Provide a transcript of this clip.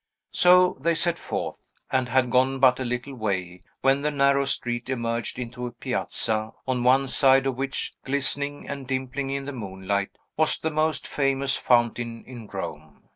So they set forth, and had gone but a little way, when the narrow street emerged into a piazza, on one side of which, glistening and dimpling in the moonlight, was the most famous fountain in Rome.